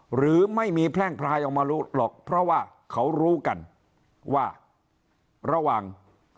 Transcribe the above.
หรือไม่มีแพร่งพลายออกมารู้หรอกเพราะว่าเขารู้กันว่าระหว่าง